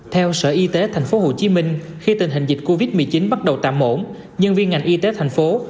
theo sở y tế tp hcm khi tình hình dịch covid một mươi chín bắt đầu tạm ổn nhân viên ngành y tế thành phố